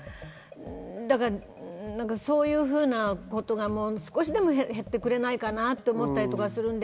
だからそういうふうなことが少しでも減ってくれないかなぁと思ったりとかするので。